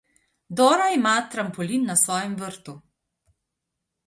Dora ima trampolin na svojem vrtu.